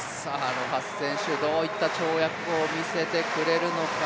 ロハス選手、どういった跳躍を見せてくれるのか。